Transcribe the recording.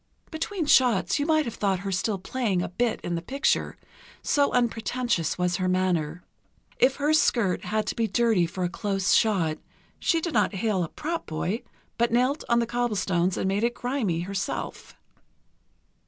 Between shots you might have thought her still playing a bit in the picture, so unpretentious was her manner. If her skirt had to be dirty for a close shot, she did not hail a prop boy, but knelt on the cobblestones and made it grimy herself....